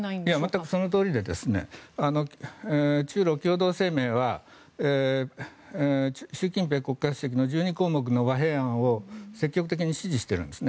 全くそのとおりで中ロ共同声明は習近平国家主席の１２項目の和平案を積極的に支持しているんです